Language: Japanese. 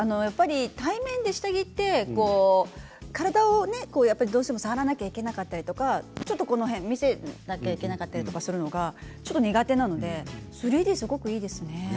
やっぱり対面で下着って体をどうしても触らなければいけなかったりとかちょっとこの辺見せなければいけなかったりするのがちょっと苦手なので３Ｄ、すごくいいですね。